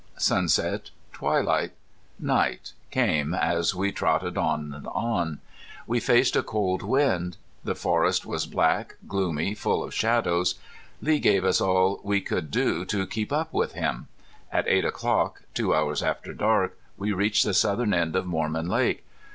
Sunset, twilight, night came as we trotted on and on. We faced a cold wind. The forest was black, gloomy, full of shadows. Lee gave us all we could do to keep up with him. At eight o'clock, two hours after dark, we reached the southern end of Mormon Lake.